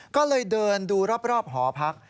ก็เลยเดินดูรอบหอพัก